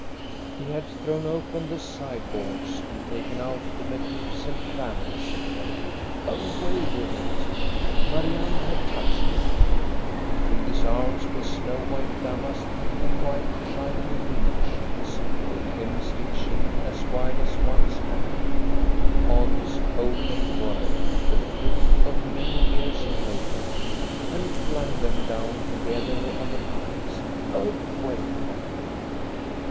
He had thrown open the sideboards and taken out the magnificent family silver. Away with it ! Marianne had touched it He filled his arms with snow white damask and with shining linen sheets with hem stitching as wide as one's hand, — honest home made work, the fruit of many years of labor, — and flung them down together on the piles. Away with them